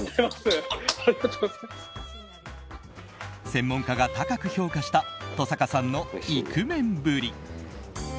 専門家が高く評価した登坂さんのイクメンぶり。